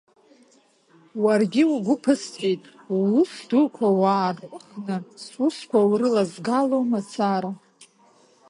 Уаргьы угәы ԥысҵәеит, уус дуқәа уаарҟәыхны, сусқәа урылазгало мацара.